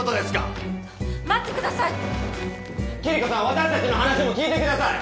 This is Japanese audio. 私たちの話も聞いてください！